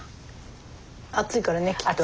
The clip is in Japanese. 暑いからねきっと。